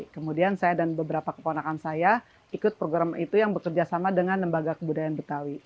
kemudian saya dan beberapa keponakan saya ikut program itu yang bekerja sama dengan lembaga kebudayaan betawi